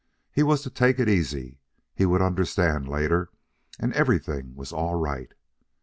He was to take it easy he would understand later and everything was all right....